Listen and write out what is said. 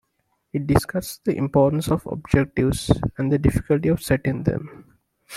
It discussed the importance of objectives and the difficulty of setting them.